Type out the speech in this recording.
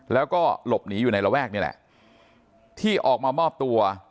แล้วก็หลบหนีอยู่ในระแวกนี่แหละที่ออกมามอบตัว